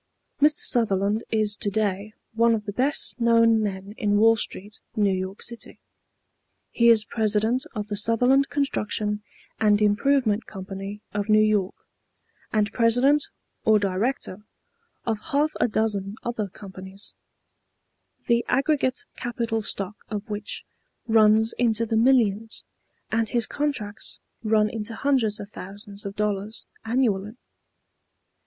Mr. Sutherland is to day one of the best known men in Wall Street, New York City. He is President of the Sutherland Construction and Improvement Company of New York, and president or director of half a dozen other companies, the aggregate capital stock of which runs into the millions, and his contracts run into hundreds of thousands of dollars annually.